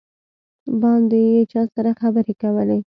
باندې یې چا سره خبرې کولې.